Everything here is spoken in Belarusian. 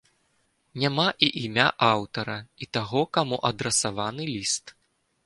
Няма і імя аўтара і таго, таму адрасаваны ліст.